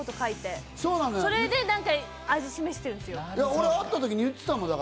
俺会った時に言ってたのだから。